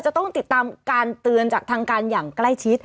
จะต้องติดตามการเตือนจากทางการอย่างใกล้ชิด